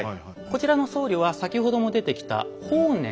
こちらの僧侶は先ほども出てきた法然。